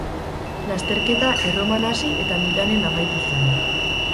Lasterketa Erroman hasi eta Milanen amaitu zen.